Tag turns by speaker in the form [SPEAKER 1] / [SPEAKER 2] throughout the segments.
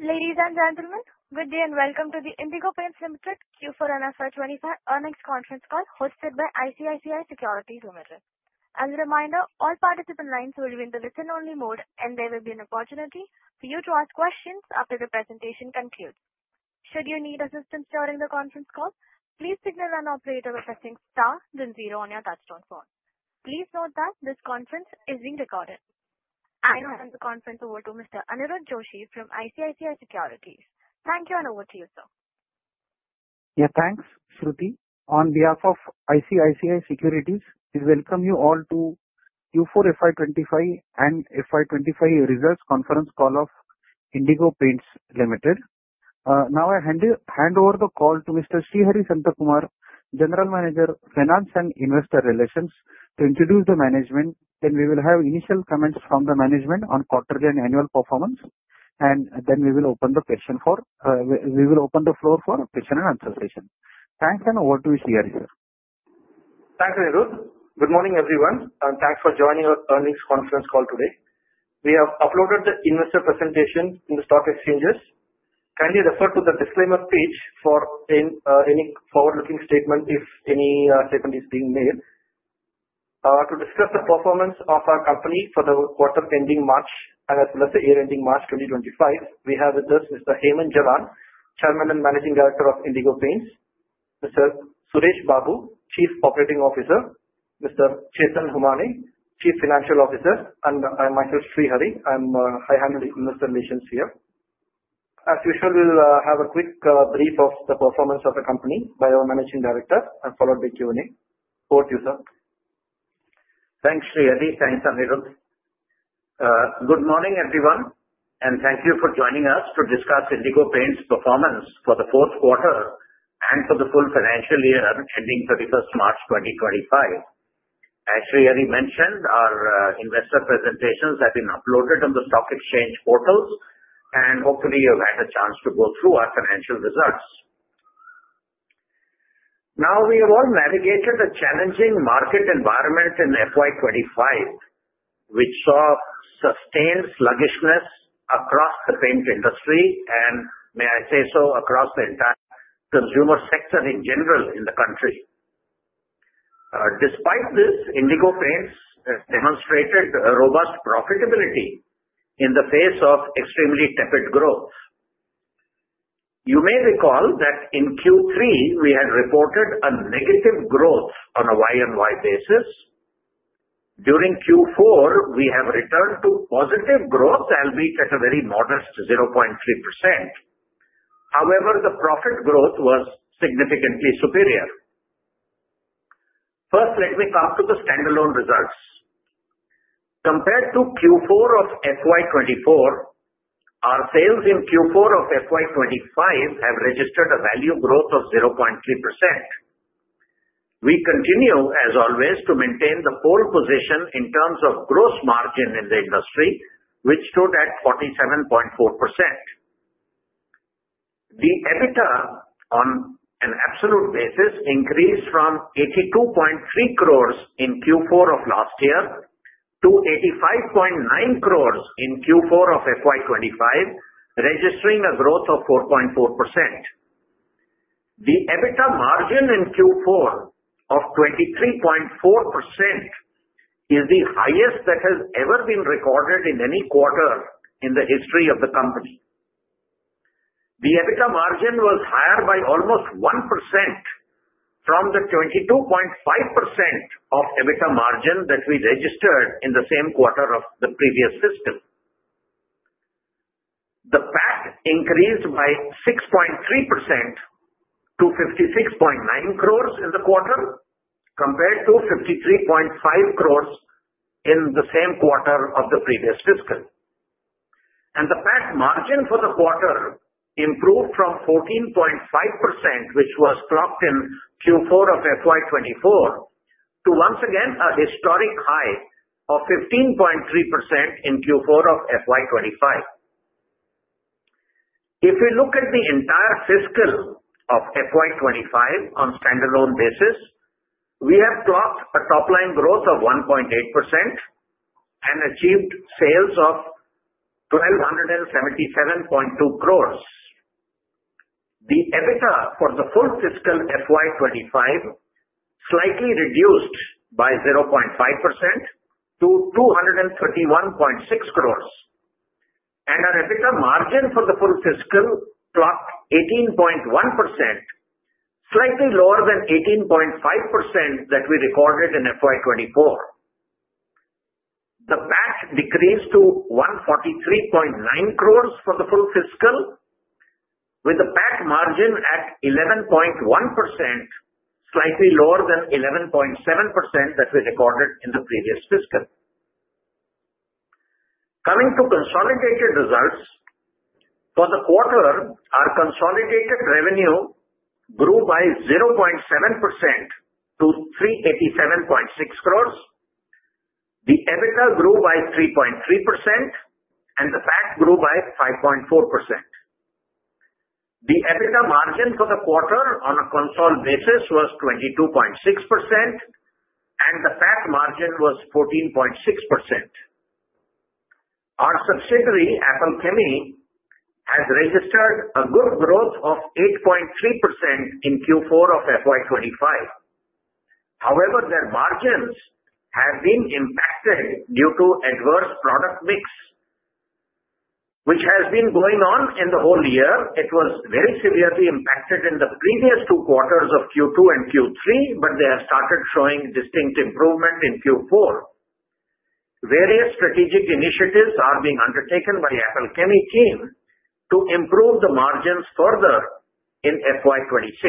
[SPEAKER 1] Ladies and gentlemen, good day and Welcome to the Indigo Paints Limited Q4 and FY25 Earnings Conference Call hosted by ICICI Securities Limited. As a reminder, all participant lines will be in the listen-only mode, and there will be an opportunity for you to ask questions after the presentation concludes. Should you need assistance during the conference call, please signal an operator by pressing star then zero on your touch-tone phone. Please note that this conference is being recorded. I now hand the conference over to Mr. Aniruddha Joshi from ICICI Securities. Thank you, and over to you, sir.
[SPEAKER 2] Yeah, thanks, Shruti. On behalf of ICICI Securities, we welcome you all to Q4 FY25 and FY25 Results Conference Call of Indigo Paints Limited. Now, I hand over the call to Mr. Srihari Santhakumar, General Manager, Finance and Investor Relations, to introduce the management. Then we will have initial comments from the management on quarterly and annual performance, and then we will open the question for—we will open the floor for Q&A session. Thanks, and over to Srihari, sir.
[SPEAKER 3] Thanks, Aniruddh. Good morning, everyone, and thanks for joining our earnings conference call today. We have uploaded the investor presentation in the stock exchanges. Kindly refer to the disclaimer page for any forward-looking statement if any statement is being made. To discuss the performance of our company for the quarter ending March and as well as the year ending March 2025, we have with us Mr. Hemant Jalan, Chairman and Managing Director of Indigo Paints; Mr. Suresh Babu, Chief Operating Officer; Mr. Chetan Humane, Chief Financial Officer; and I'm Srihari Santhakumar. I'm Head of Investor Relations here. As usual, we'll have a quick brief of the performance of the company by our Managing Director and followed by Q&A. Over to you, sir.
[SPEAKER 4] Thanks, Srihari. Thanks, Aniruddh. Good morning, everyone, and thank you for joining us to discuss Indigo Paints performance for the fourth quarter and for the full financial year ending 31st March 2025. As Srihari mentioned, our investor presentations have been uploaded on the stock exchange portals, and hopefully, you've had a chance to go through our financial results. Now, we have all navigated a challenging market environment in FY25, which saw sustained sluggishness across the paint industry, and may I say so, across the entire consumer sector in general in the country. Despite this, Indigo Paints demonstrated robust profitability in the face of extremely tepid growth. You may recall that in Q3, we had reported a negative growth on a Y-o-Y basis. During Q4, we have returned to positive growth, albeit at a very modest 0.3%. However, the profit growth was significantly superior. First, let me come to the standalone results. Compared to Q4 of FY24, our sales in Q4 of FY25 have registered a value growth of 0.3%. We continue, as always, to maintain the pole position in terms of gross margin in the industry, which stood at 47.4%. The EBITDA, on an absolute basis, increased from 82.3 crores in Q4 of last year to 85.9 crores in Q4 of FY25, registering a growth of 4.4%. The EBITDA margin in Q4 of 23.4% is the highest that has ever been recorded in any quarter in the history of the company. The EBITDA margin was higher by almost 1% from the 22.5% of EBITDA margin that we registered in the same quarter of the previous fiscal. The PAT increased by 6.3% to 56.9 crores in the quarter, compared to 53.5 crores in the same quarter of the previous fiscal. The PAT margin for the quarter improved from 14.5%, which was clocked in Q4 of FY24, to once again a historic high of 15.3% in Q4 of FY25. If we look at the entire fiscal of FY25 on a standalone basis, we have clocked a top-line growth of 1.8% and achieved sales of 1,277.2 crores. The EBITDA for the full fiscal FY25 slightly reduced by 0.5% to 231.6 crores, and our EBITDA margin for the full fiscal clocked 18.1%, slightly lower than 18.5% that we recorded in FY24. The PAT decreased to 143.9 crores for the full fiscal, with the PAT margin at 11.1%, slightly lower than 11.7% that we recorded in the previous fiscal. Coming to consolidated results, for the quarter, our consolidated revenue grew by 0.7% to 387.6 crores. The EBITDA grew by 3.3%, and the PAT grew by 5.4%. The EBITDA margin for the quarter on a consolidated basis was 22.6%, and the PAT margin was 14.6%. Our subsidiary, Apple Chemie, has registered a good growth of 8.3% in Q4 of FY25. However, their margins have been impacted due to adverse product mix, which has been going on in the whole year. It was very severely impacted in the previous two quarters of Q2 and Q3, but they have started showing distinct improvement in Q4. Various strategic initiatives are being undertaken by the Apple Chemie team to improve the margins further in FY26.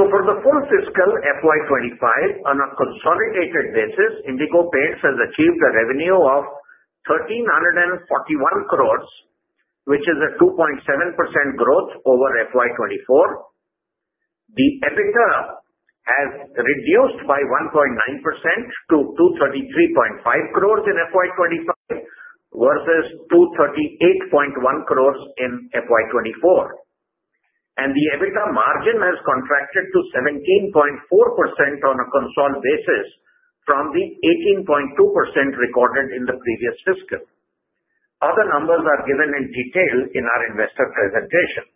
[SPEAKER 4] So for the full fiscal FY25, on a consolidated basis, Indigo Paints has achieved a revenue of 1,341 crores, which is a 2.7% growth over FY24. The EBITDA has reduced by 1.9% to 233.5 crores in FY25 versus 238.1 crores in FY24. The EBITDA margin has contracted to 17.4% on a consolidated basis from the 18.2% recorded in the previous fiscal. Other numbers are given in detail in our investor presentation.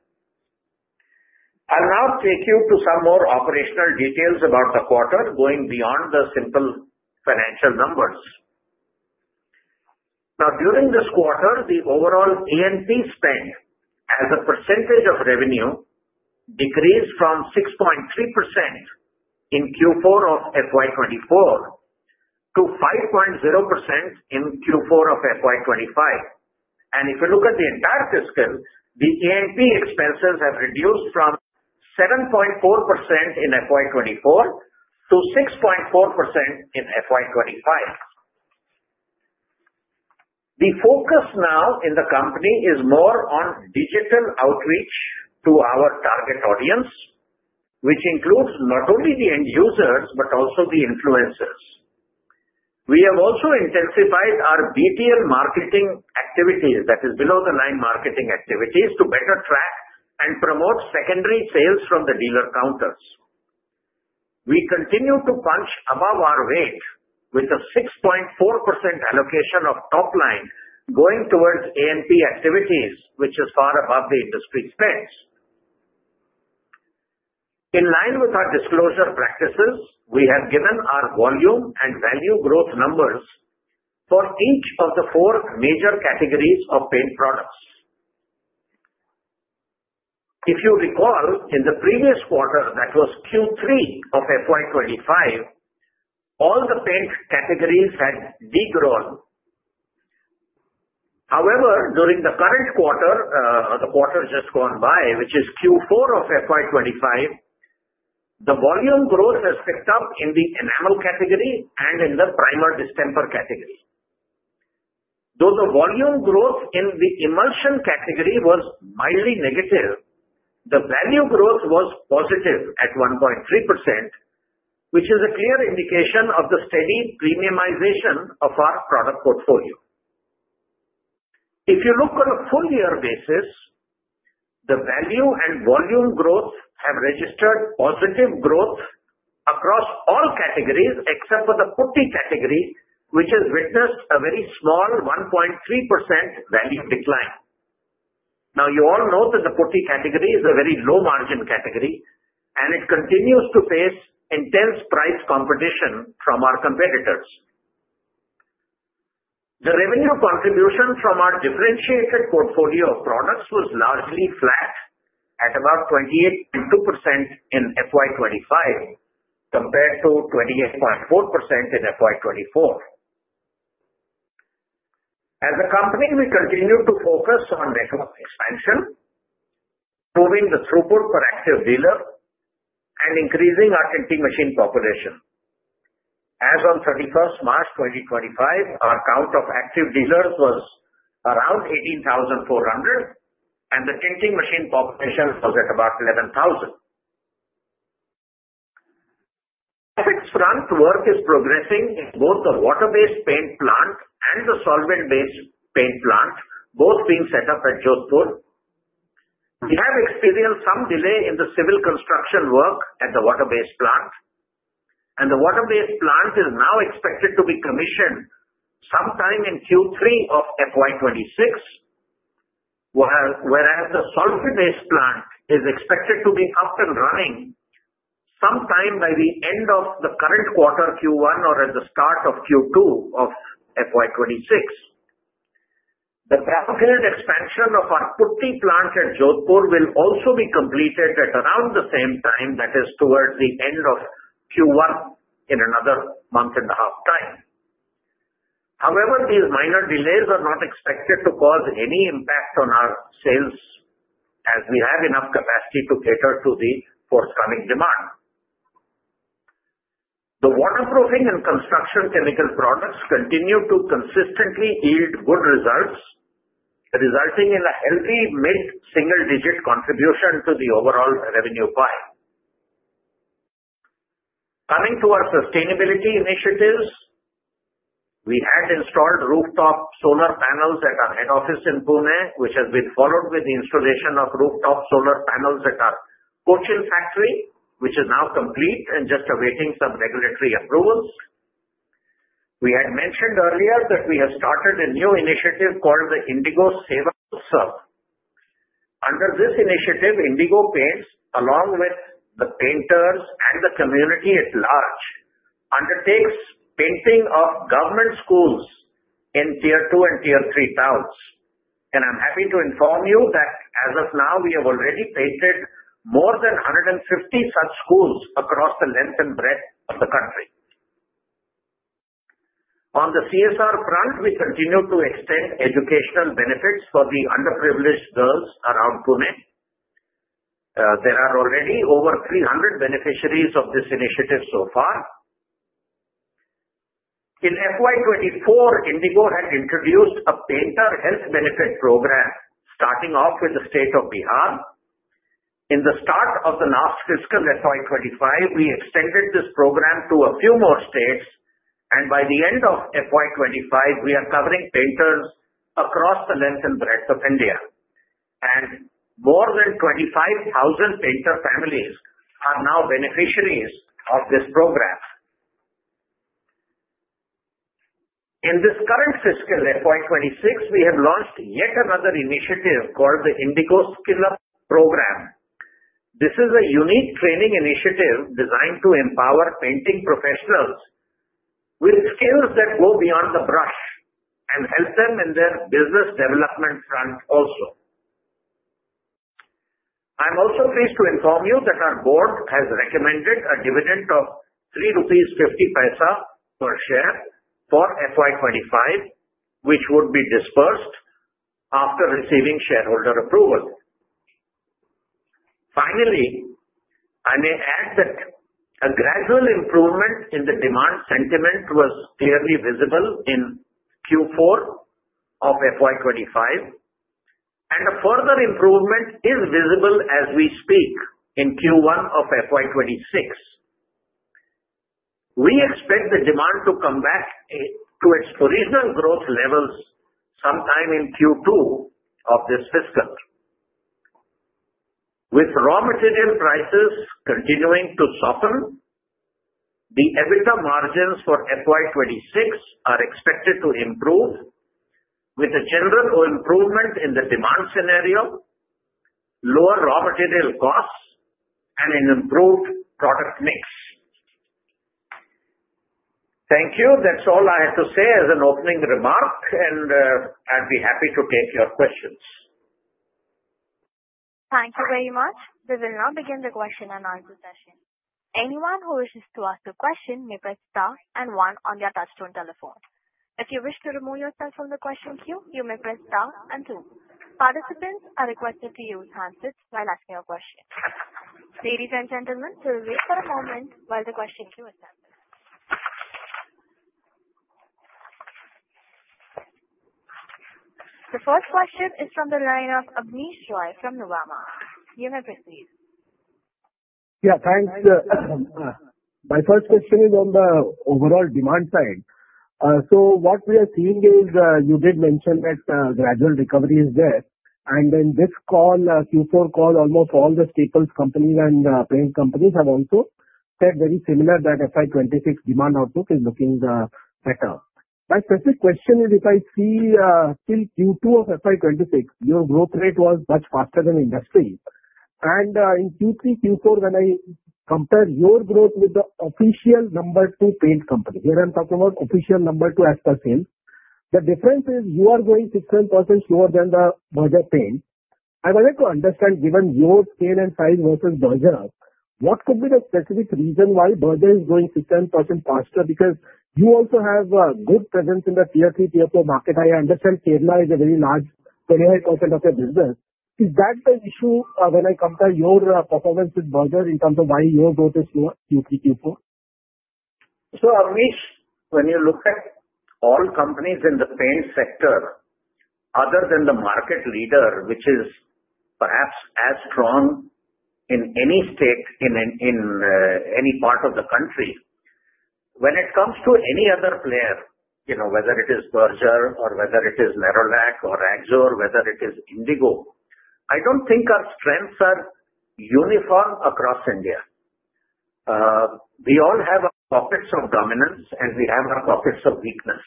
[SPEAKER 4] I'll now take you to some more operational details about the quarter, going beyond the simple financial numbers. Now, during this quarter, the overall A&P spend as a percentage of revenue decreased from 6.3% in Q4 of FY24 to 5.0% in Q4 of FY25. If you look at the entire fiscal, the A&P expenses have reduced from 7.4% in FY24 to 6.4% in FY25. The focus now in the company is more on digital outreach to our target audience, which includes not only the end users but also the influencers. We have also intensified our BTL marketing activities that is below the line marketing activities to better track and promote secondary sales from the dealer counters. We continue to punch above our weight with a 6.4% allocation of top-line going towards A&P activities, which is far above the industry spends. In line with our disclosure practices, we have given our volume and value growth numbers for each of the four major categories of paint products. If you recall, in the previous quarter, that was Q3 of FY25, all the paint categories had degrown. However, during the current quarter, the quarter just gone by, which is Q4 of FY25, the volume growth has picked up in the enamel category and in the primer/distemper category. Though the volume growth in the emulsion category was mildly negative, the value growth was positive at 1.3%, which is a clear indication of the steady premiumization of our product portfolio. If you look on a full-year basis, the value and volume growth have registered positive growth across all categories except for the putty category, which has witnessed a very small 1.3% value decline. Now, you all know that the putty category is a very low-margin category, and it continues to face intense price competition from our competitors. The revenue contribution from our differentiated portfolio of products was largely flat at about 28.2% in FY25 compared to 28.4% in FY24. As a company, we continue to focus on network expansion, proving the throughput per active dealer, and increasing our tinting machine population. As of 31st March 2025, our count of active dealers was around 18,400, and the tinting machine population was at about 11,000. The civil work is progressing in both the water-based paint plant and the solvent-based paint plant, both being set up at Jodhpur. We have experienced some delay in the civil construction work at the water-based plant, and the water-based plant is now expected to be commissioned sometime in Q3 of FY26, whereas the solvent-based plant is expected to be up and running sometime by the end of the current quarter, Q1, or at the start of Q2 of FY26. The proposed expansion of our putty plant at Jodhpur will also be completed at around the same time, that is, towards the end of Q1 in another month and a half time. However, these minor delays are not expected to cause any impact on our sales as we have enough capacity to cater to the forthcoming demand. The waterproofing and construction chemical products continue to consistently yield good results, resulting in a healthy mid-single-digit contribution to the overall revenue pie. Coming to our sustainability initiatives, we had installed rooftop solar panels at our head office in Pune, which has been followed with the installation of rooftop solar panels at our Kochi factory, which is now complete and just awaiting some regulatory approvals. We had mentioned earlier that we have started a new initiative called the Indigo Seva. Under this initiative, Indigo Paints, along with the painters and the community at large, undertakes painting of government schools in Tier II and Tier III towns, and I'm happy to inform you that as of now, we have already painted more than 150 such schools across the length and breadth of the country. On the CSR front, we continue to extend educational benefits for the underprivileged girls around Pune. There are already over 300 beneficiaries of this initiative so far. In FY24, Indigo had introduced a painter health benefit program starting off with the state of Bihar. In the start of the last fiscal FY25, we extended this program to a few more states, and by the end of FY25, we are covering painters across the length and breadth of India. And more than 25,000 painter families are now beneficiaries of this program. In this current fiscal FY26, we have launched yet another initiative called the Indigo Skill Up Program. This is a unique training initiative designed to empower painting professionals with skills that go beyond the brush and help them in their business development front also. I'm also pleased to inform you that our board has recommended a dividend of 3.50 rupees per share for FY25, which would be disbursed after receiving shareholder approval. Finally, I may add that a gradual improvement in the demand sentiment was clearly visible in Q4 of FY25, and a further improvement is visible as we speak in Q1 of FY26. We expect the demand to come back to its original growth levels sometime in Q2 of this fiscal. With raw material prices continuing to soften, the EBITDA margins for FY26 are expected to improve with a general improvement in the demand scenario, lower raw material costs, and an improved product mix. Thank you. That's all I had to say as an opening remark, and I'd be happy to take your questions.
[SPEAKER 1] Thank you very much. We will now begin the Q&A session. Anyone who wishes to ask a question may press star and one on their touch-tone telephone. If you wish to remove yourself from the question queue, you may press star and two. Participants are requested to use handsets while asking a question. Ladies and gentlemen, please wait for a moment while the question queue is handled. The first question is from the line of Abneesh Roy from Nuvama. You may proceed.
[SPEAKER 5] Yeah, thanks. My first question is on the overall demand side. So what we are seeing is you did mention that gradual recovery is there. And in this Q4 call, almost all the staples, companies, and paint companies have also said very similar that FY26 demand outlook is looking better. My specific question is, if I see still Q2 of FY26, your growth rate was much faster than industry. And in Q3, Q4, when I compare your growth with the official number two paint company, here I'm talking about official number two as per sales, the difference is you are going 6% slower than the Berger Paints. I wanted to understand, given your scale and size versus Berger Paints, what could be the specific reason why Berger Paints is going 6% faster? Because you also have a good presence in the Tier II, Tier IV market. I understand Kerala is a very large 28% of your business. Is that the issue when I compare your performance with Berger in terms of why your growth is slower Q3, Q4?
[SPEAKER 4] So Abneesh, when you look at all companies in the paint sector, other than the market leader, which is perhaps as strong in any state in any part of the country, when it comes to any other player, whether it is Berger or whether it is Nerolac or AkzoNobel, whether it is Indigo, I don't think our strengths are uniform across India. We all have our pockets of dominance, and we have our pockets of weakness.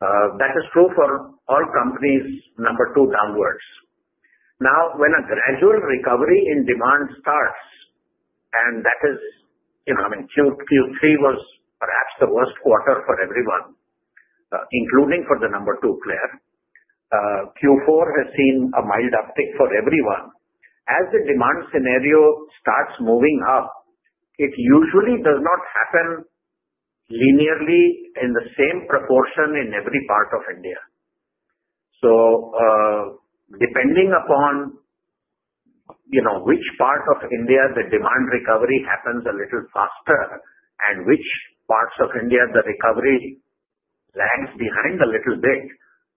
[SPEAKER 4] That is true for all companies number two downwards. Now, when a gradual recovery in demand starts, and that is, I mean, Q3 was perhaps the worst quarter for everyone, including for the number two player, Q4 has seen a mild uptick for everyone. As the demand scenario starts moving up, it usually does not happen linearly in the same proportion in every part of India. So depending upon which part of India the demand recovery happens a little faster and which parts of India the recovery lags behind a little bit,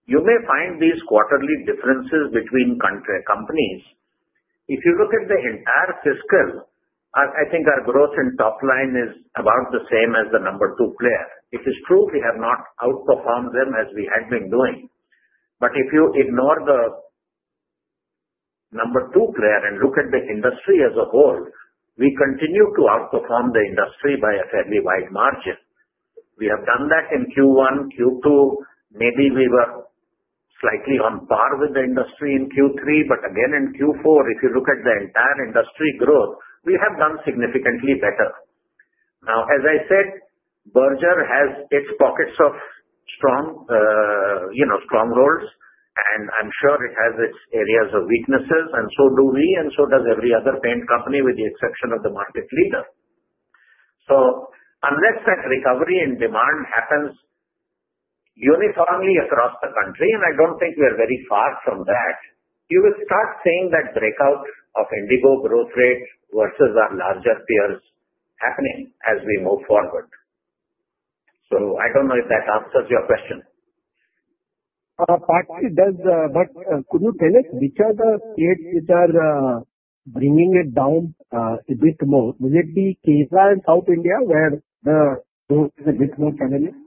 [SPEAKER 4] you may find these quarterly differences between companies. If you look at the entire fiscal, I think our growth in top-line is about the same as the number two player. It is true we have not outperformed them as we had been doing. But if you ignore the number two player and look at the industry as a whole, we continue to outperform the industry by a fairly wide margin. We have done that in Q1, Q2. Maybe we were slightly on par with the industry in Q3, but again, in Q4, if you look at the entire industry growth, we have done significantly better. Now, as I said, Berger has its pockets of strongholds, and I'm sure it has its areas of weaknesses, and so do we, and so does every other paint company with the exception of the market leader. So unless that recovery in demand happens uniformly across the country, and I don't think we are very far from that, you will start seeing that breakout of Indigo growth rate versus our larger peers happening as we move forward. So I don't know if that answers your question.
[SPEAKER 5] It partly does, but could you tell us which are the states which are bringing it down a bit more? Will it be Kerala in South India where the growth is a bit more challenging?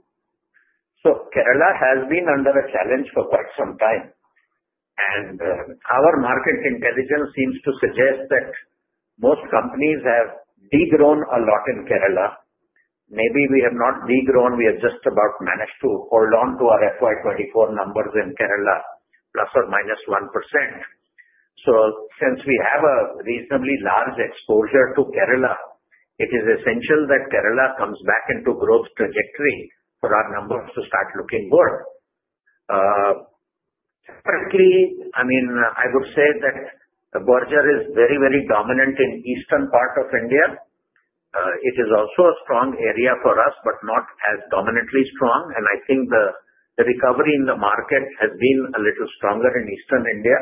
[SPEAKER 4] Kerala has been under a challenge for quite some time. And our market intelligence seems to suggest that most companies have degrown a lot in Kerala. Maybe we have not degrown. We have just about managed to hold on to our FY24 numbers in Kerala plus or minus 1%. So since we have a reasonably large exposure to Kerala, it is essential that Kerala comes back into growth trajectory for our numbers to start looking good. Partly, I mean, I would say that Berger is very, very dominant in the eastern part of India. It is also a strong area for us, but not as dominantly strong. And I think the recovery in the market has been a little stronger in eastern India.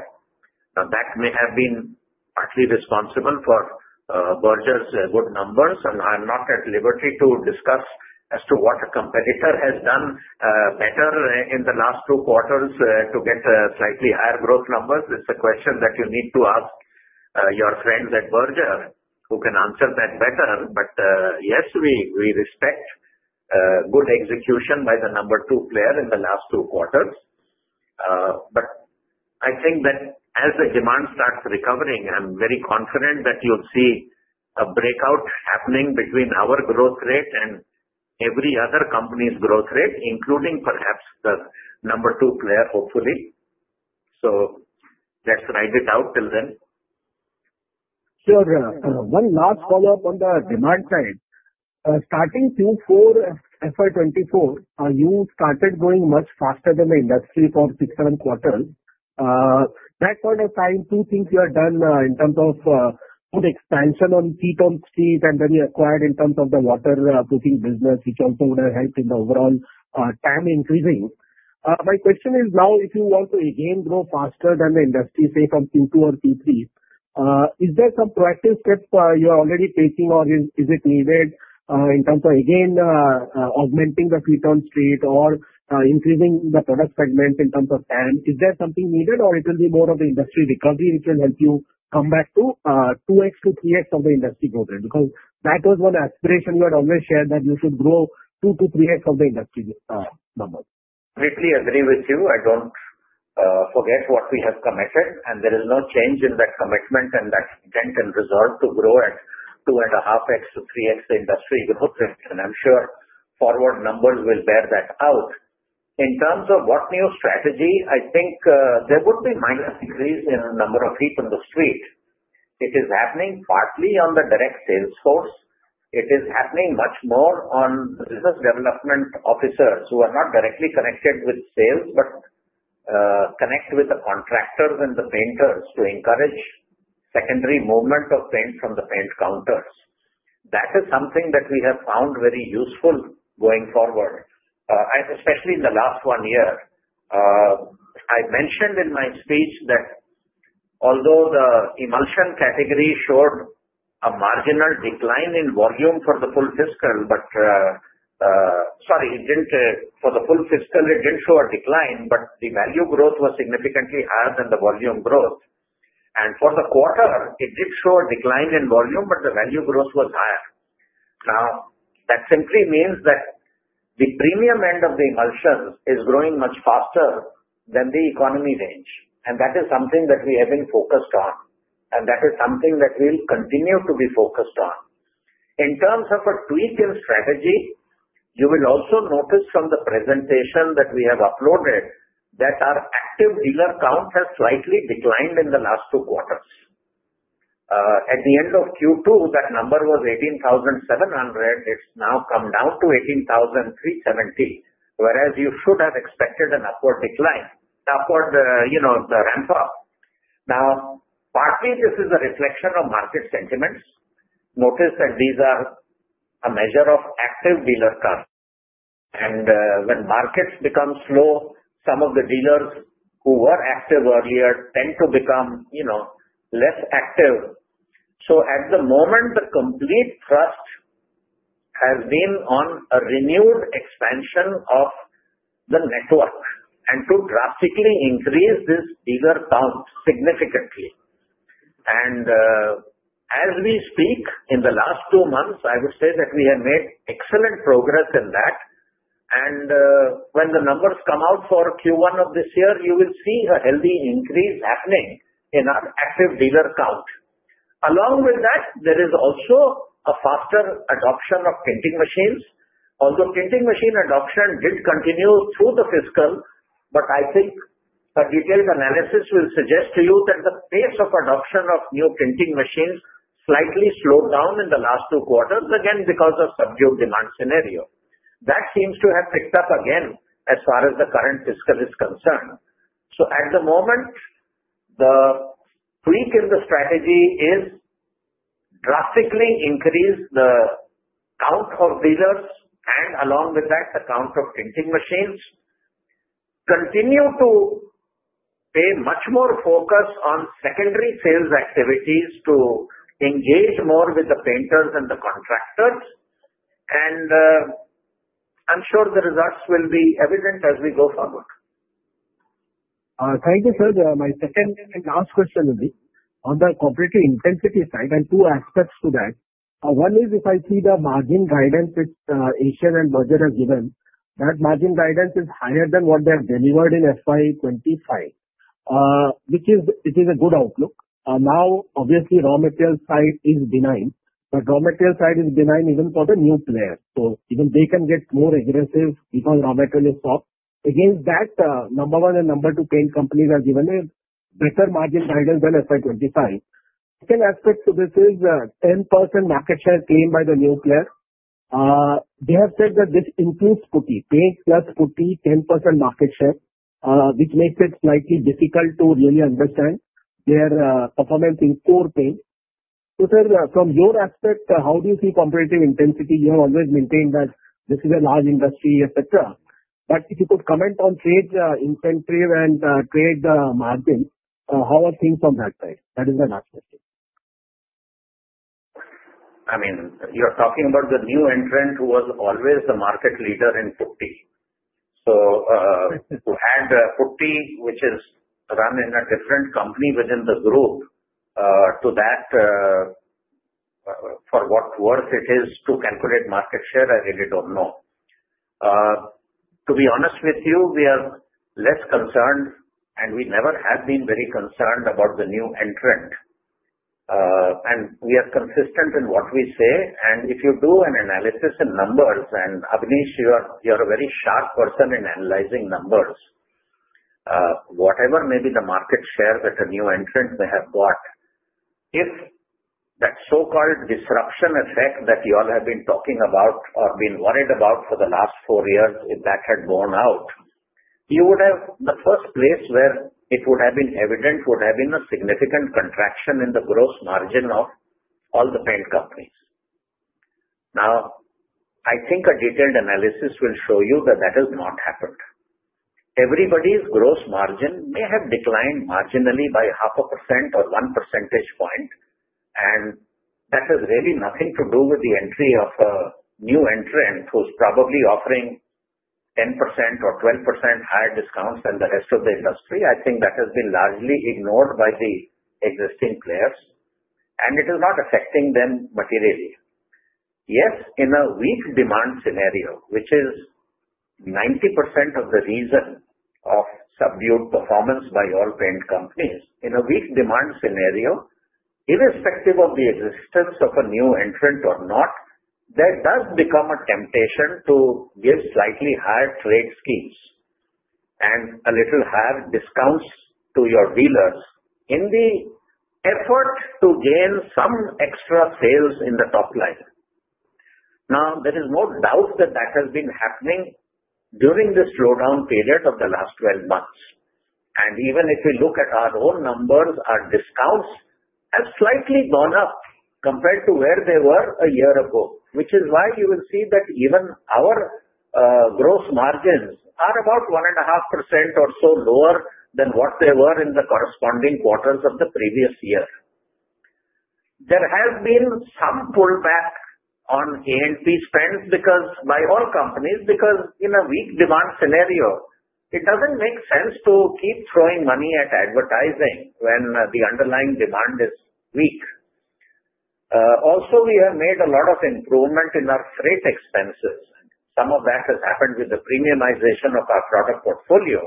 [SPEAKER 4] That may have been partly responsible for Berger's good numbers. And I'm not at liberty to discuss as to what a competitor has done better in the last two quarters to get slightly higher growth numbers. It's a question that you need to ask your friends at Berger who can answer that better. But yes, we respect good execution by the number two player in the last two quarters. But I think that as the demand starts recovering, I'm very confident that you'll see a breakout happening between our growth rate and every other company's growth rate, including perhaps the number two player, hopefully. So let's ride it out till then.
[SPEAKER 5] One last follow-up on the demand side. Starting Q4 FY24, you started going much faster than the industry for Q1. That point of time, two things you have done in terms of geographic expansion on Tier II cities, and then you acquired in terms of the waterproofing business, which also would have helped in the overall TAM increasing. My question is now, if you want to again grow faster than the industry, say from Q2 or Q3, is there some proactive steps you are already taking, or is it needed in terms of again augmenting the Tier II cities or increasing the product segment in terms of TAM? Is there something needed or it will be more of the industry recovery which will help you come back to 2X to 3X of the industry growth? Because that was one aspiration you had always shared that you should grow 2X to 3X of the industry numbers.
[SPEAKER 4] Completely agree with you. I don't forget what we have committed, and there is no change in that commitment and that intent and resolve to grow at 2.5X to 3X the industry growth rate, and I'm sure forward numbers will bear that out. In terms of what new strategy, I think there would be minor decrease in the number of people in the city. It is happening partly on the direct sales force. It is happening much more on the business development officers who are not directly connected with sales, but connect with the contractors and the painters to encourage secondary movement of paint from the paint counters. That is something that we have found very useful going forward, especially in the last one year. I mentioned in my speech that although the emulsion category showed a marginal decline in volume for the full fiscal, but sorry, for the full fiscal, it didn't show a decline, but the value growth was significantly higher than the volume growth, and for the quarter, it did show a decline in volume, but the value growth was higher. Now, that simply means that the premium end of the emulsions is growing much faster than the economy range, and that is something that we have been focused on, and that is something that we'll continue to be focused on. In terms of a tweak in strategy, you will also notice from the presentation that we have uploaded that our active dealer count has slightly declined in the last two quarters. At the end of Q2, that number was 18,700. It's now come down to 18,370, whereas you should have expected an upward decline. upward ramp-up. Now, partly, this is a reflection of market sentiments. Notice that these are a measure of active dealer count. And when markets become slow, some of the dealers who were active earlier tend to become less active. So at the moment, the complete thrust has been on a renewed expansion of the network and to drastically increase this dealer count significantly. And as we speak, in the last two months, I would say that we have made excellent progress in that. And when the numbers come out for Q1 of this year, you will see a healthy increase happening in our active dealer count. Along with that, there is also a faster adoption of tinting machines. Although tinting machine adoption did continue through the fiscal, but I think a detailed analysis will suggest to you that the pace of adoption of new tinting machines slightly slowed down in the last two quarters, again, because of subdued demand scenario. That seems to have picked up again as far as the current fiscal is concerned, so at the moment, the tweak in the strategy is drastically increase the count of dealers and along with that, the count of tinting machines. Continue to pay much more focus on secondary sales activities to engage more with the painters and the contractors, and I'm sure the results will be evident as we go forward.
[SPEAKER 5] Thank you, sir. My second and last question would be on the competitive intensity side. I have two aspects to that. One is if I see the margin guidance which Asian and Berger have given, that margin guidance is higher than what they have delivered in FY25, which is a good outlook. Now, obviously, raw material side is benign, but raw material side is benign even for the new players. So even they can get more aggressive because raw material is soft. Against that, number one and number two paint companies have given a better margin guidance than FY25. Second aspect to this is 10% market share claimed by the new players. They have said that this includes putty, paint plus putty, 10% market share, which makes it slightly difficult to really understand their performance in core paint. So sir, from your aspect, how do you see competitive intensity? You have always maintained that this is a large industry, etc. But if you could comment on trade incentive and trade margin, how are things on that side? That is my last question.
[SPEAKER 4] You're talking about the new entrant who was always the market leader in putty. So who had putty, which is run in a different company within the group, for what it's worth, to calculate market share, I really don't know. To be honest with you, we are less concerned, and we never have been very concerned about the new entrant. We are consistent in what we say. Abneesh, you are a very sharp person in analyzing numbers, whatever may be the market share that a new entrant may have bought, if that so-called disruption effect that you all have been talking about or been worried about for the last four years, if that had worn out, you would have the first place where it would have been evident would have been a significant contraction in the gross margin of all the paint companies. I think a detailed analysis will show you that that has not happened. Everybody's gross margin may have declined marginally by 0.5% or one percentage point, and that has really nothing to do with the entry of a new entrant who's probably offering 10% or 12% higher discounts than the rest of the industry. That has been largely ignored by the existing players, and it is not affecting them materially. Yes, in a weak demand scenario, which is 90% of the reason of subdued performance by all paint companies, irrespective of the existence of a new entrant or not, there does become a temptation to give slightly higher trade schemes and a little higher discounts to your dealers in the effort to gain some extra sales in the top line. Now, there is no doubt that that has been happening during the slowdown period of the last 12 months. Even if we look at our own numbers, our discounts have slightly gone up compared to where they were a year ago, which is why you will see that even our gross margins are about 1.5% or so lower than what they were in the corresponding quarters of the previous year. There has been some pullback on A&P spend because by all companies, because in a weak demand scenario, it doesn't make sense to keep throwing money at advertising when the underlying demand is weak. Also, we have made a lot of improvement in our freight expenses. Some of that has happened with the premiumization of our product portfolio.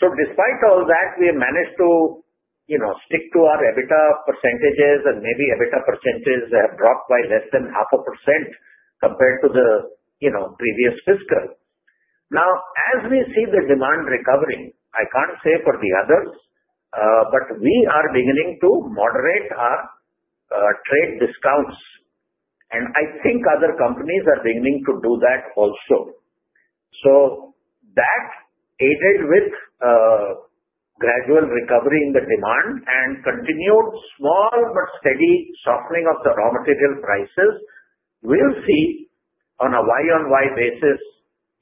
[SPEAKER 4] So despite all that, we have managed to stick to our EBITDA percentages, and maybe EBITDA percentages have dropped by less than 0.5% compared to the previous fiscal. Now, as we see the demand recovering, I can't say for the others, but we are beginning to moderate our trade discounts. And I think other companies are beginning to do that also. So that, aided with gradual recovery in the demand and continued small but steady softening of the raw material prices, we'll see on a Y-o-Y basis,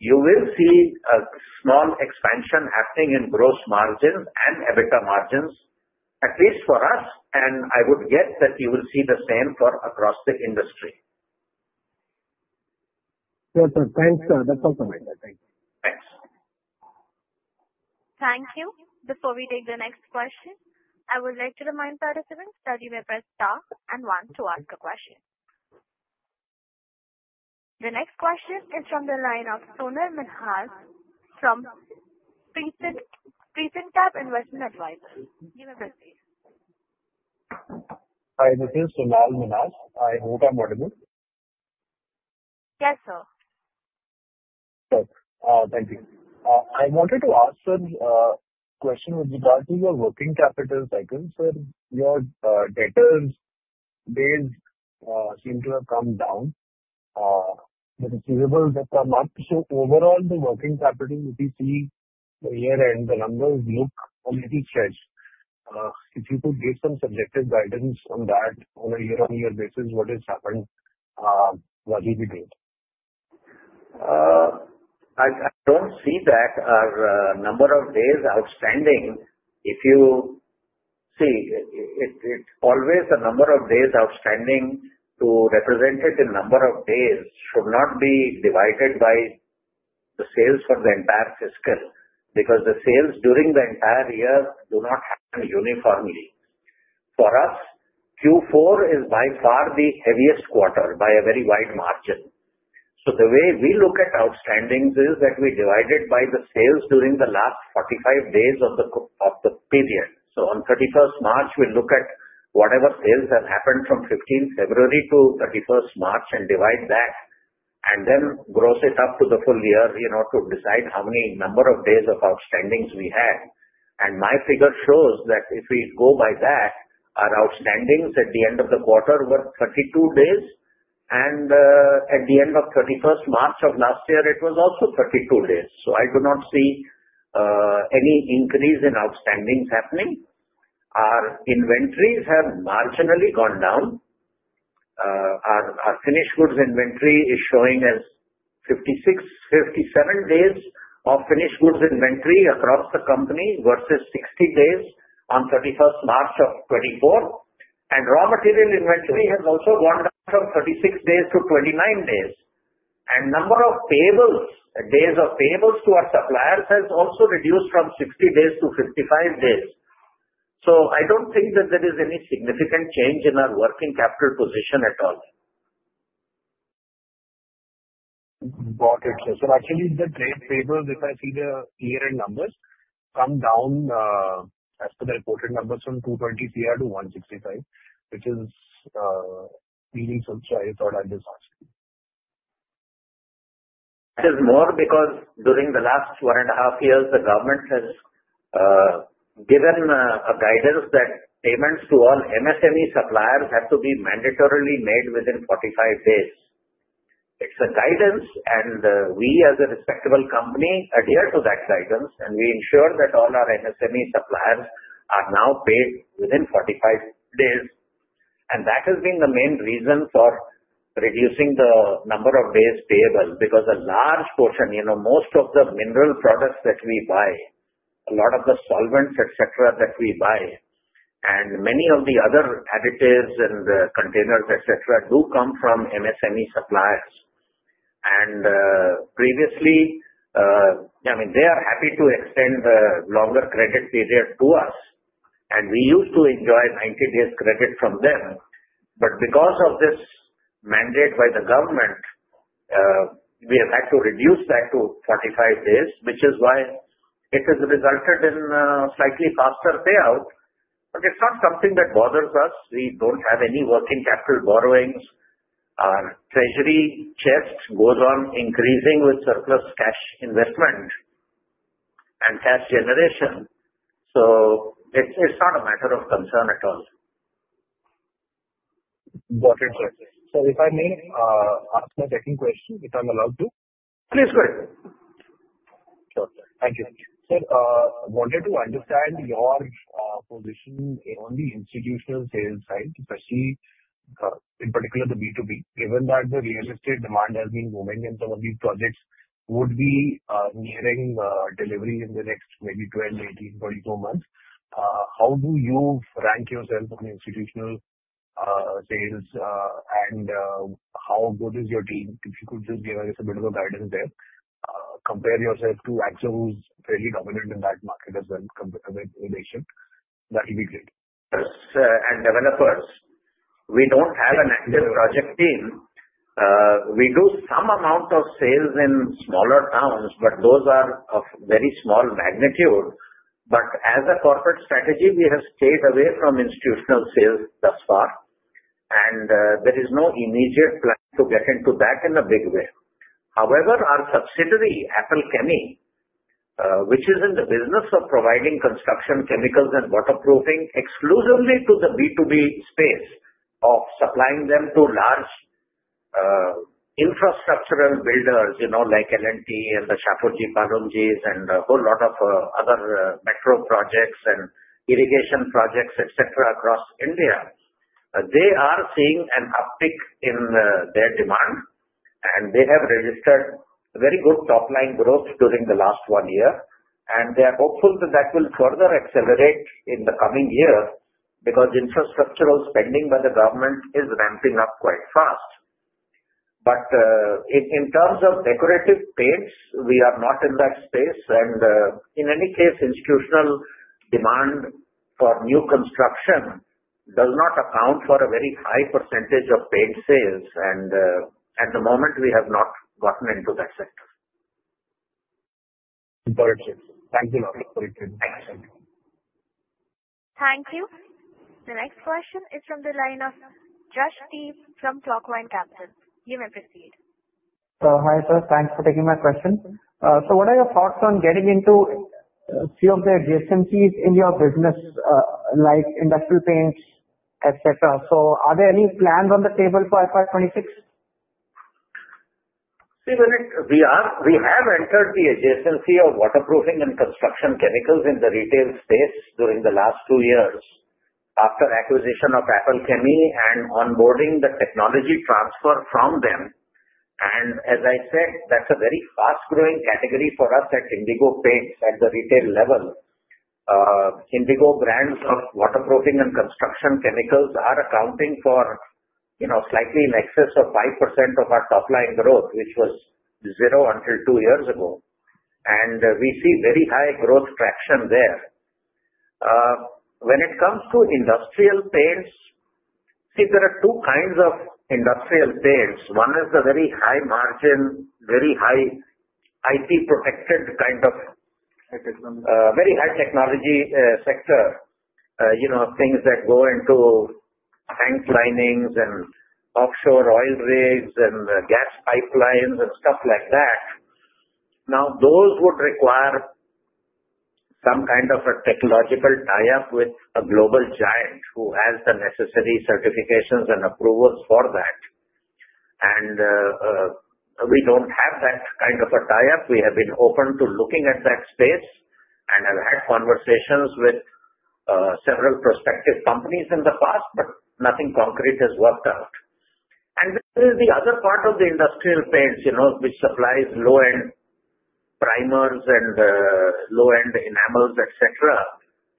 [SPEAKER 4] you will see a small expansion happening in gross margins and EBITDA margins, at least for us. I would guess that you will see the same for across the industry.
[SPEAKER 5] Sure, sir. Thanks, sir. That's all from my side. Thank you.
[SPEAKER 4] Thanks.
[SPEAKER 1] Thank you. Before we take the next question, I would like to remind participants that you may press star and one to ask a question. The next question is from the line of Sonal Minhas from Prescient Capital. You may press, please.
[SPEAKER 6] Hi, this is Sonal Minhas. I hope I'm audible.
[SPEAKER 1] Yes, sir.
[SPEAKER 6] Sure. Thank you. I wanted to ask a question with regard to your working capital. Second, sir, your debtors' base seem to have come down. The receivables have come up. So overall, the working capital that we see here and the numbers look a little stretched. If you could give some substantive guidance on that on a year-on-year basis, what has happened, what do we do?
[SPEAKER 4] I don't see that our number of days outstanding. If you see, it's always a number of days outstanding. To represent it in number of days should not be divided by the sales for the entire fiscal because the sales during the entire year do not happen uniformly. For us, Q4 is by far the heaviest quarter by a very wide margin. So the way we look at outstandings is that we divide it by the sales during the last 45 days of the period. So on 31st March, we look at whatever sales have happened from 15 February to 31st March and divide that, and then gross it up to the full year to decide how many number of days of outstandings we had. My figure shows that if we go by that, our outstandings at the end of the quarter were 32 days, and at the end of 31st March of last year, it was also 32 days. So I do not see any increase in outstandings happening. Our inventories have marginally gone down. Our finished goods inventory is showing as 56, 57 days of finished goods inventory across the company versus 60 days on 31st March of 2024. And raw material inventory has also gone down from 36 days to 29 days. And number of payables, days of payables to our suppliers has also reduced from 60 days to 55 days. So I don't think that there is any significant change in our working capital position at all.
[SPEAKER 6] Got it, sir. So actually, the trade payables, if I see the year-end numbers, come down as per the reported numbers from Rs 220 crore to Rs 165 crore, which is really surprised, I thought I just asked.
[SPEAKER 4] It is more because during the last one and a half years, the government has given a guidance that payments to all MSME suppliers have to be mandatorily made within 45 days. It's a guidance, and we as a respectable company adhere to that guidance, and we ensure that all our MSME suppliers are now paid within 45 days. And that has been the main reason for reducing the number of days payable because a large portion, most of the mineral products that we buy, a lot of the solvents, etc., that we buy, and many of the other additives and containers, etc., do come from MSME suppliers. And previously, I mean, they are happy to extend the longer credit period to us, and we used to enjoy 90 days credit from them. But because of this mandate by the government, we have had to reduce that to 45 days, which is why it has resulted in slightly faster payout. But it's not something that bothers us. We don't have any working capital borrowings. Our treasury chest goes on increasing with surplus cash investment and cash generation. So it's not a matter of concern at all.
[SPEAKER 6] Got it, sir. Sir, if I may ask a second question, if I'm allowed to?
[SPEAKER 4] Please go ahead.
[SPEAKER 6] Sure. Thank you. Sir, I wanted to understand your position on the institutional sales side, especially in particular the B2B. Given that the real estate demand has been booming and some of these projects would be nearing delivery in the next maybe 12, 18, 24 months, how do you rank yourself on institutional sales and how good is your team? If you could just give us a bit of a guidance there. Compare yourself to AkzoNobel, who's fairly dominant in that market as well in Asia. That would be great.
[SPEAKER 4] We don't have an active project team. We do some amount of sales in smaller towns, but those are of very small magnitude. But as a corporate strategy, we have stayed away from institutional sales thus far, and there is no immediate plan to get into that in a big way. However, our subsidiary, Apple Chemie, which is in the business of providing construction chemicals and waterproofing exclusively to the B2B space of supplying them to large infrastructural builders like L&T and the Shapoorji Pallonji, and a whole lot of other metro projects and irrigation projects, etc., across India. They are seeing an uptick in their demand, and they have registered very good top-line growth during the last one year. They are hopeful that that will further accelerate in the coming year because infrastructural spending by the government is ramping up quite fast. But in terms of decorative paints, we are not in that space. And in any case, institutional demand for new construction does not account for a very high percentage of paint sales. And at the moment, we have not gotten into that sector.
[SPEAKER 6] Got it, sir. Thank you very much. Thanks, sir.
[SPEAKER 1] Thank you. The next question is from the line of Jasdeep Walia from Clockvine Capital. You may proceed.
[SPEAKER 7] So hi, sir. Thanks for taking my question. So what are your thoughts on getting into a few of the adjacencies in your business, like industrial paints, etc.? So are there any plans on the table for FY26?
[SPEAKER 4] See, we have entered the adjacency of waterproofing and construction chemicals in the retail space during the last two years after acquisition of Apple Chemie and onboarding the technology transfer from them. And as I said, that's a very fast-growing category for us at Indigo Paints at the retail level. Indigo brands of waterproofing and construction chemicals are accounting for slightly in excess of 5% of our top-line growth, which was zero until two years ago. And we see very high growth traction there. When it comes to industrial paints, see, there are two kinds of industrial paints. One is the very high margin, very high IP-protected kind of very high technology sector, things that go into tank linings and offshore oil rigs and gas pipelines and stuff like that. Now, those would require some kind of a technological tie-up with a global giant who has the necessary certifications and approvals for that. We don't have that kind of a tie-up. We have been open to looking at that space and have had conversations with several prospective companies in the past, but nothing concrete has worked out. This is the other part of the industrial paints, which supplies low-end primers and low-end enamels, etc.,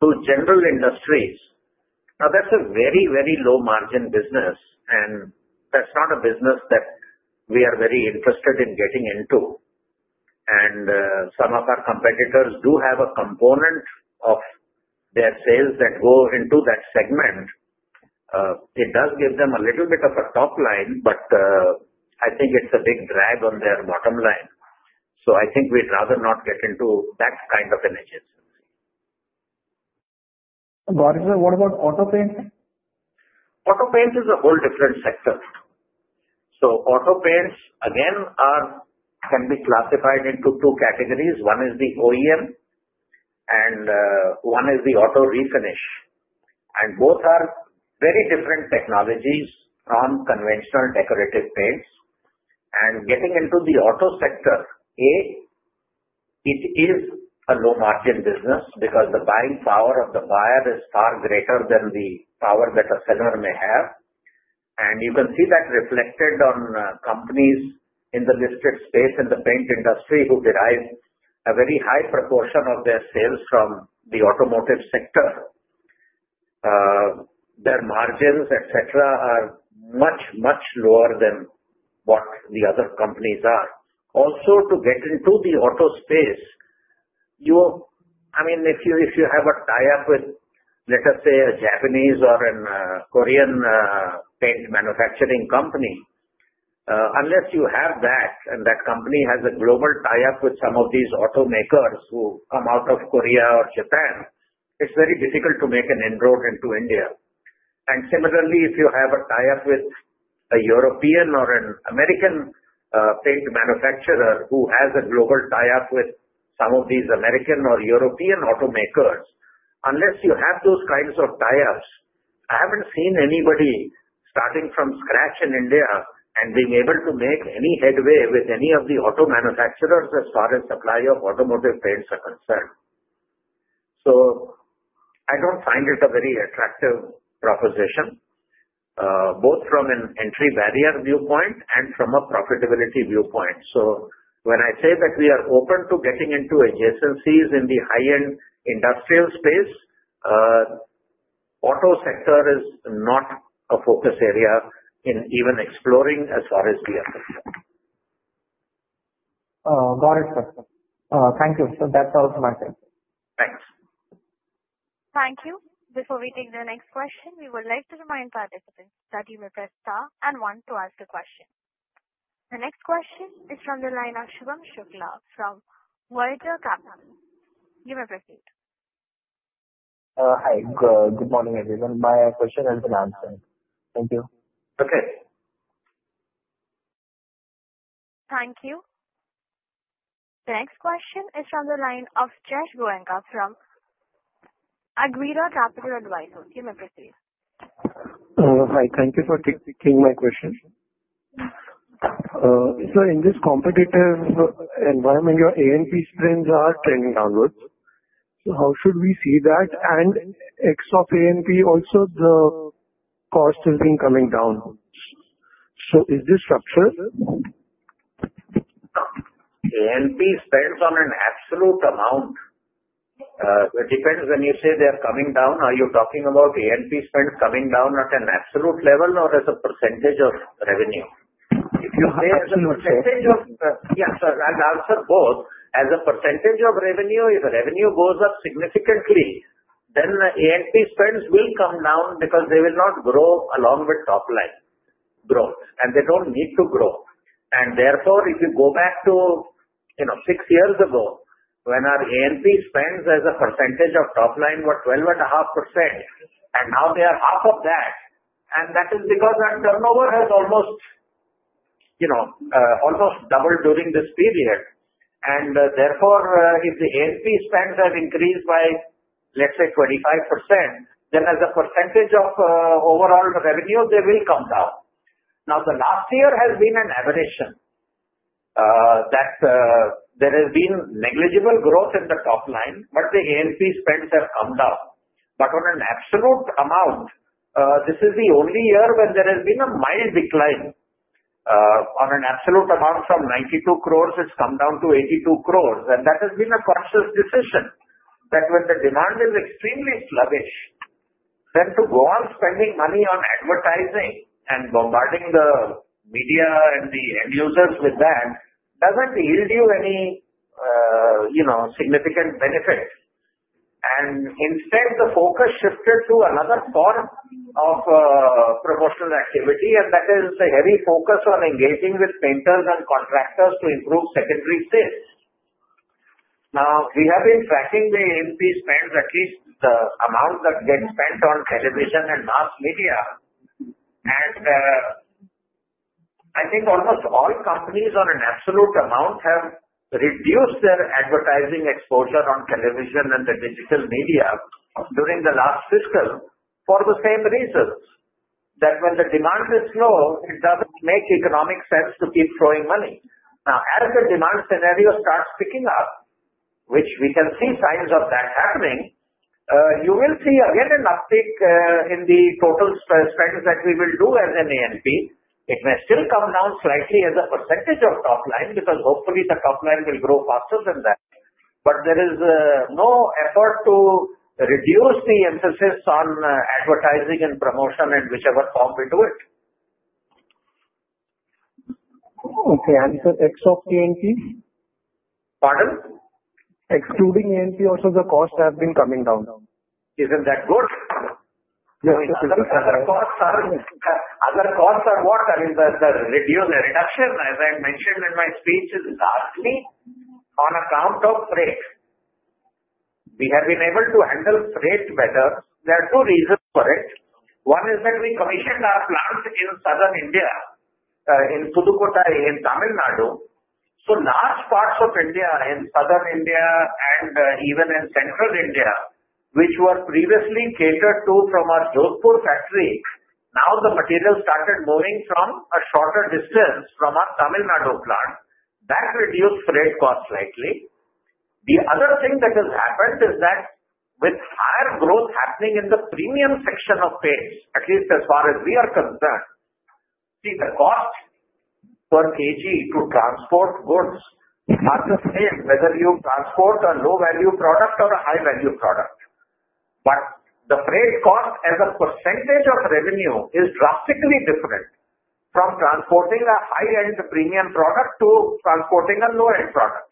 [SPEAKER 4] to general industries. Now, that's a very low-margin business and that's not a business that we are very interested in getting into. Some of our competitors do have a component of their sales that go into that segment. It does give them a little bit of a top line, but I think it's a big drag on their bottom line. So I think we'd rather not get into that kind of an adjacency.
[SPEAKER 7] Got it, sir. What about auto paint?
[SPEAKER 4] auto paint is a whole different sector. So auto paints, again, can be classified into two categories. One is the OEM, and one is the auto refinish. And both are very different technologies from conventional decorative paints. And getting into the auto sector, A, it is a low-margin business because the buying power of the buyer is far greater than the power that a seller may have. And you can see that reflected on companies in the listed space in the paint industry who derive a very high proportion of their sales from the automotive sector. Their margins, etc., are much lower than what the other companies are. Also, to get into the auto space, I mean, if you have a tie-up with, let us say, a Japanese or a Korean paint manufacturing company. Unless you have that and that company has a global tie-up with some of these automakers who come out of Korea or Japan, it's very difficult to make an inroad into India. Similarly, if you have a tie-up with a European or an American paint manufacturer who has a global tie-up with some of these American or European automakers, unless you have those kinds of tie-ups, I haven't seen anybody starting from scratch in India and being able to make any headway with any of the auto manufacturers as far as supply of automotive paints are concerned. So I don't find it a very attractive proposition, both from an entry barrier viewpoint and from a profitability viewpoint. I say that we are open to getting into adjacencies in the high-end industrial space, auto sector is not a focus area in even exploring as far as we are concerned.
[SPEAKER 7] Got it, sir. Thank you. So that's all from my side.
[SPEAKER 4] Thanks.
[SPEAKER 1] Thank you. Before we take the next question, we would like to remind participants that you may press star and one to ask a question. The next question is from the line of Shubham Shukla from Voyager Capital. You may proceed.
[SPEAKER 8] Hi. Good morning, everyone. My question has been answered. Thank you.
[SPEAKER 4] Okay.
[SPEAKER 1] Thank you. The next question is from the line of Yash Goenka from Awriga Capital Advisors. You may proceed.
[SPEAKER 9] Hi. Thank you for taking my question. Sir, in this competitive environment, your A&P spends are trending downwards. So how should we see that? And mix of A&P also, the cost has been coming down. So is this structured?
[SPEAKER 4] A&P spends on an absolute amount. It depends when you say they are coming down. Are you talking about A&P spend coming down at an absolute level or as a percentage of revenue?
[SPEAKER 9] If both.
[SPEAKER 4] Yes, sir. I'll answer both. As a percentage of revenue, if revenue goes up significantly, then the A&P spends will come down because they will not grow along with top-line growth and they don't need to grow, and therefore, if you go back to six years ago when our A&P spends as a percentage of top line were 12.5%, and now they are half of that, and that is because our turnover has almost doubled during this period, and therefore, if the A&P spends have increased by, let's say, 25%, then as a percentage of overall revenue, they will come down. Now, the last year has been an aberration. There has been negligible growth in the top line, but the A&P spends have come down, but on an absolute amount, this is the only year when there has been a mild decline. On an absolute amount from 92 crores, it's come down to 82 crores. And that has been a conscious decision that when the demand is extremely sluggish, then to go on spending money on advertising and bombarding the media and the end users with that doesn't yield you any significant benefit. And instead, the focus shifted to another form of promotional activity, and that is the heavy focus on engaging with painters and contractors to improve secondary sales. Now, we have been tracking the A&P spends, at least the amount that gets spent on television and mass media. And I think almost all companies on an absolute amount have reduced their advertising exposure on television and the digital media during the last fiscal for the same reasons that when the demand is low, it doesn't make economic sense to keep throwing money. Now, as the demand scenario starts picking up, which we can see signs of that happening, you will see again an uptick in the total spends that we will do as an A&P. It may still come down slightly as a percentage of top line because hopefully the top line will grow faster than that. But there is no effort to reduce the emphasis on advertising and promotion in whichever form we do it.
[SPEAKER 9] Okay. And as of A&P?
[SPEAKER 4] Pardon?
[SPEAKER 9] Excluding A&P, also the costs have been coming down.
[SPEAKER 4] Isn't that good? Other costs are what? I mean, the reduction, as I mentioned in my speech, is largely on account of rate. We have been able to handle freight better. There are two reasons for it. One is that we commissioned our plants in Southern India, in Pudukkottai in Tamil Nadu. So large parts of India in southern India and even in Central India, which were previously catered to from our Jodhpur factory, now the material started moving from a shorter distance from our Tamil Nadu plant. That reduced freight cost slightly. The other thing that has happened is that with higher growth happening in the premium section of paints, at least as far as we are concerned, see, the cost per kg to transport goods is hard to say whether you transport a low-value product or a high-value product. But the freight cost as a percentage of revenue is drastically different from transporting a high-end premium product to transporting a low-end product.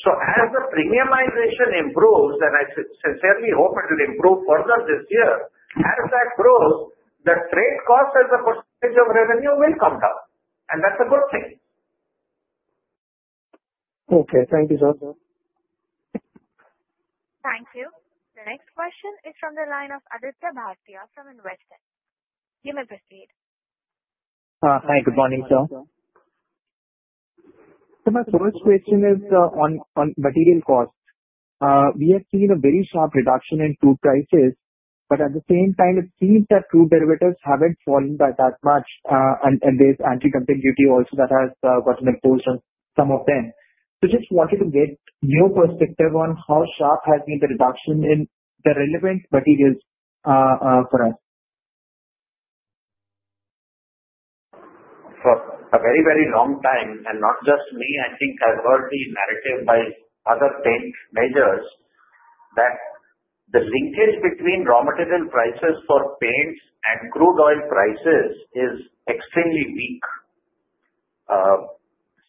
[SPEAKER 4] So as the premiumization improves, and I sincerely hope it will improve further this year, as that grows, the freight cost as a percentage of revenue will come down. And that's a good thing.
[SPEAKER 9] Okay. Thank you, sir.
[SPEAKER 1] Thank you. The next question is from the line of Aditya Bhartia from Investec. You may proceed.
[SPEAKER 10] Hi. Good morning, sir. Sir, my first question is on material cost. We have seen a very sharp reduction in crude prices, but at the same time, it seems that crude derivatives haven't fallen that much. And there's anti-dumping duty also that has gotten imposed on some of them. So just wanted to get your perspective on how sharp has been the reduction in the relevant materials for us?
[SPEAKER 4] For a very, very long time, and not just me, I think I've heard the narrative by other paint majors that the linkage between raw material prices for paints and crude oil prices is extremely weak.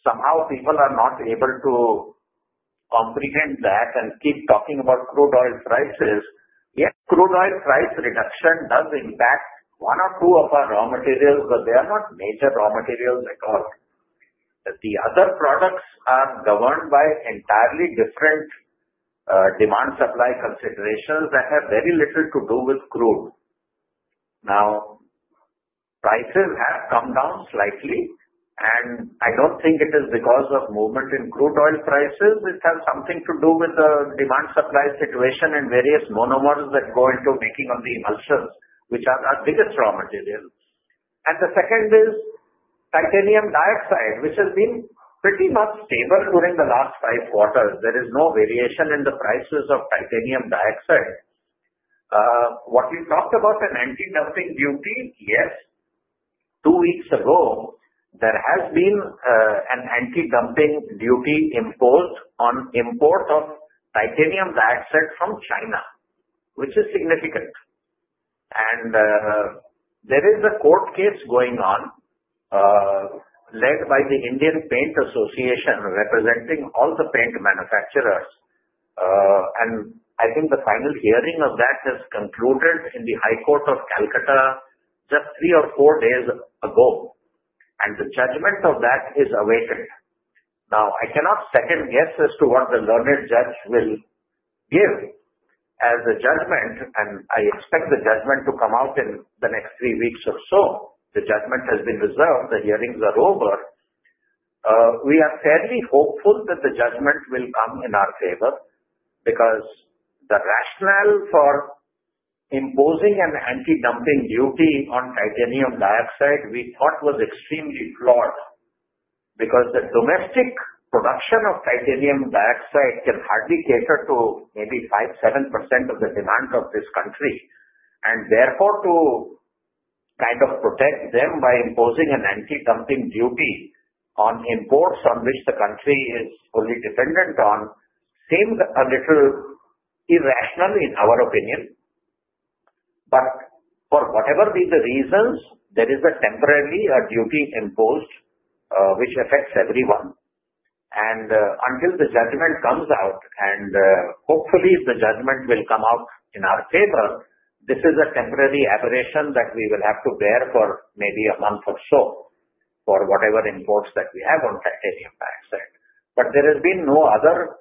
[SPEAKER 4] Somehow, people are not able to comprehend that and keep talking about crude oil prices. Yes, crude oil price reduction does impact one or two of our raw materials, but they are not major raw materials at all. The other products are governed by entirely different demand-supply considerations that have very little to do with crude. Now, prices have come down slightly, and I don't think it is because of movement in crude oil prices. It has something to do with the demand-supply situation and various monomers that go into making of the emulsions, which are our biggest raw materials. And the second is titanium dioxide, which has been pretty much stable during the last five quarters. There is no variation in the prices of titanium dioxide. What we talked about, an anti-dumping duty, yes. Two weeks ago, there has been an anti-dumping duty imposed on import of titanium dioxide from China, which is significant. And there is a court case going on led by the Indian Paint Association representing all the paint manufacturers. And I think the final hearing of that has concluded in the High Court of Calcutta just three or four days ago. And the judgment of that is awaited. Now, I cannot second-guess as to what the learned judge will give as a judgment, and I expect the judgment to come out in the next three weeks or so. The judgment has been reserved. The hearings are over. We are fairly hopeful that the judgment will come in our favor because the rationale for imposing an anti-dumping duty on titanium dioxide we thought was extremely flawed because the domestic production of titanium dioxide can hardly cater to maybe 5%, 7% of the demand of this country. And therefore, to kind of protect them by imposing an anti-dumping duty on imports on which the country is fully dependent on seemed a little irrational in our opinion. But for whatever be the reasons, there is temporarily a duty imposed which affects everyone. And until the judgment comes out, and hopefully the judgment will come out in our favor, this is a temporary aberration that we will have to bear for maybe a month or so for whatever imports that we have on titanium dioxide. But there has been no other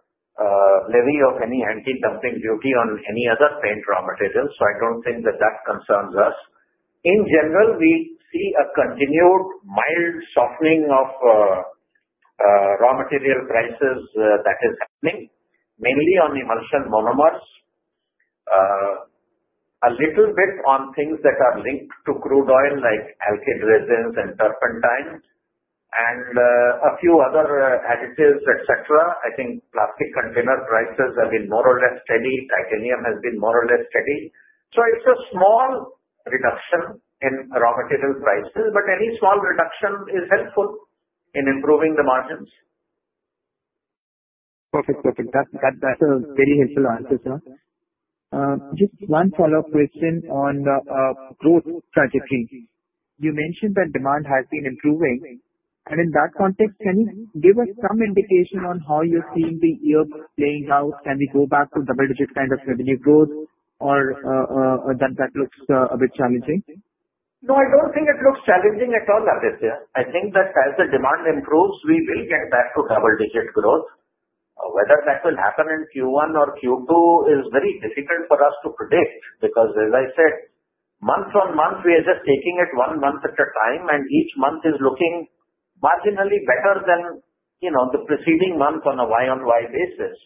[SPEAKER 4] levy of any anti-dumping duty on any other paint raw materials, so I don't think that that concerns us. In general, we see a continued mild softening of raw material prices that is happening, mainly on emulsion monomers, a little bit on things that are linked to crude oil like alkyd resins and turpentine, and a few other additives, etc. I think plastic container prices have been more or less steady. Titanium has been more or less steady. So it's a small reduction in raw material prices, but any small reduction is helpful in improving the margins.
[SPEAKER 10] Perfect. That's a very helpful answer, sir. Just one follow-up question on the growth trajectory. You mentioned that demand has been improving. And in that context, can you give us some indication on how you're seeing the year playing out? Can we go back to double-digit kind of revenue growth, or does that look a bit challenging?
[SPEAKER 4] No, I don't think it looks challenging at all, Aditya. I think that as the demand improves, we will get back to double-digit growth. Whether that will happen in Q1 or Q2 is very difficult for us to predict because, as I said, month on month, we are just taking it one month at a time, and each month is looking marginally better than the preceding month on a Y-o-Y basis.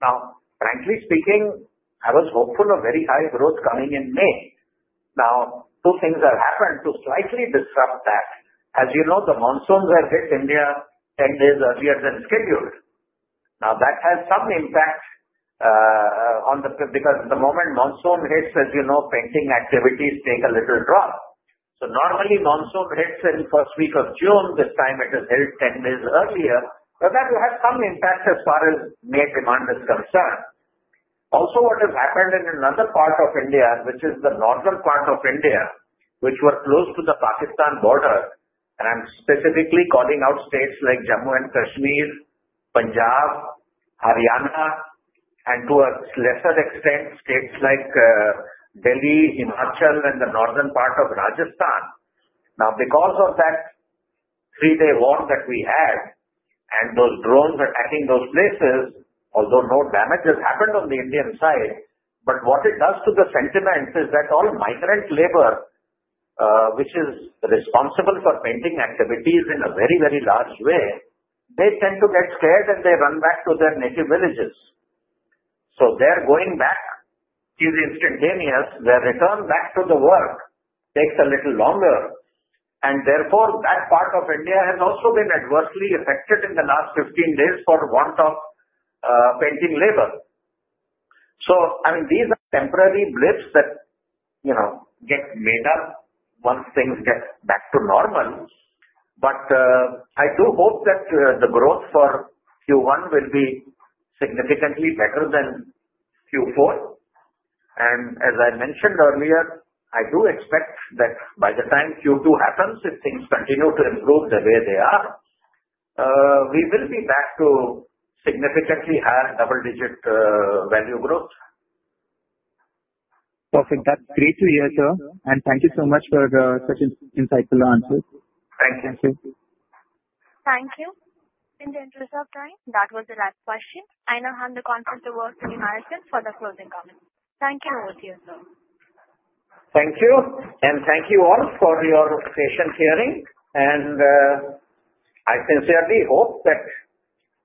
[SPEAKER 4] Now, frankly speaking, I was hopeful of very high growth coming in May. Now, two things have happened to slightly disrupt that. As you know, the monsoons have hit India 10 days earlier than scheduled. Now, that has some impact on the because at the moment, monsoon hits, as you know, painting activities take a little drop. So normally, Monsoon hits in the first week of June. This time, it has hit 10 days earlier. So that will have some impact as far as May demand is concerned. Also, what has happened in another part of India, which is the northern part of India, which were close to the Pakistan border, and I'm specifically calling out states like Jammu and Kashmir, Punjab, Haryana, and to a lesser extent, states like Delhi, Himachal, and the northern part of Rajasthan. Now, because of that three-day war that we had and those drones attacking those places, although no damages happened on the Indian side, but what it does to the sentiment is that all migrant labor, which is responsible for painting activities in a very, very large way, they tend to get scared and they run back to their native villages. So their going back is instantaneous. Their return back to the work takes a little longer. And therefore, that part of India has also been adversely affected in the last 15 days for want of painting labor. So, I mean, these are temporary blips that get made up once things get back to normal. But I do hope that the growth for Q1 will be significantly better than Q4. And as I mentioned earlier, I do expect that by the time Q2 happens, if things continue to improve the way they are, we will be back to significantly higher double-digit value growth.
[SPEAKER 10] Perfect. That's great to hear, sir. And thank you so much for such insightful answers.
[SPEAKER 4] Thank you.
[SPEAKER 1] Thank you. In the interest of time, that was the last question. I now hand the conference over to the management for the closing comments.
[SPEAKER 4] Thank you. And thank you all for your patient hearing. And I sincerely hope that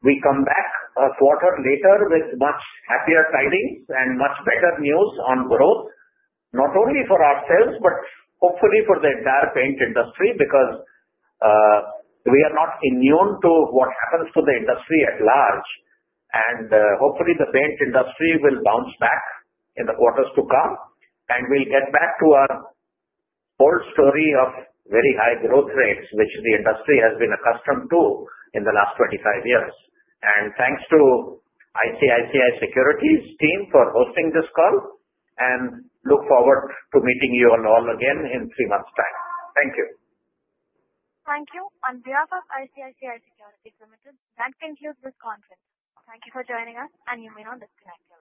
[SPEAKER 4] we come back a quarter later with much happier tidings and much better news on growth, not only for ourselves, but hopefully for the entire paint industry because we are not immune to what happens to the industry at large. Hopefully, the paint industry will bounce back in the quarters to come, and we'll get back to our old story of very high growth rates, which the industry has been accustomed to in the last 25 years. And thanks to ICICI Securities team for hosting this call. And look forward to meeting you all again in three months' time. Thank you.
[SPEAKER 1] Thank you. On behalf of ICICI Securities Limited, that concludes this conference. Thank you for joining us, and you may now disconnect.